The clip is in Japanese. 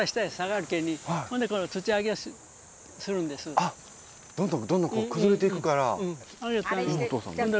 あっどんどんどんどん崩れていくから。